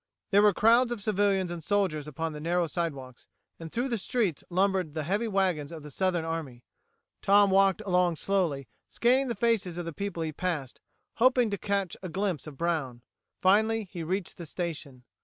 There were crowds of civilians and soldiers upon the narrow sidewalks, and through the streets lumbered the heavy wagons of the Southern army. Tom walked along slowly, scanning the faces of the people he passed, hoping to catch a glimpse of Brown. Finally he reached the station.